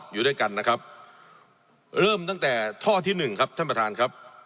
อยู่ด้วยกันนะครับเริ่มตั้งแต่ท่อที่หนึ่งครับท่านประธานครับ